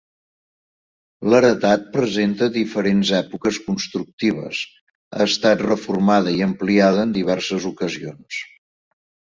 L'heretat presenta diferents èpoques constructives, ha estat reformada i ampliada en diverses ocasions.